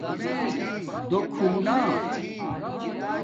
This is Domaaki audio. دُو کُھونا